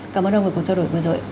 cảm ơn ông đã cùng trao đổi vừa rồi